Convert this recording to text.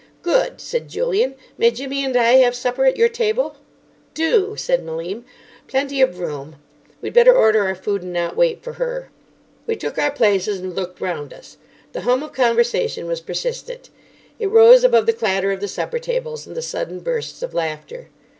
"Good," said Julian; "may Jimmy and I have supper at your table?" "Do," said Malim. "Plenty of room. We'd better order our food and not wait for her." We took our places, and looked round us. The hum of conversation was persistent. It rose above the clatter of the supper tables and the sudden bursts of laughter.